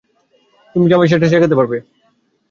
তুমি কি আমায় সেটা শেখাতে পারবে?